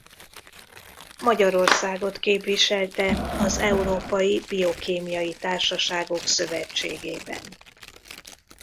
Magyarországot képviselte az Európai Biokémiai Társaságok Szövetségében.